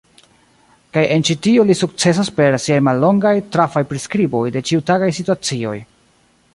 Kaj en ĉi tio li sukcesas per siaj mallongaj, trafaj priskriboj de ĉiutagaj situacioj.